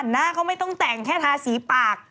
หน้าเขาไม่ต้องแต่งแค่ทาสีปาก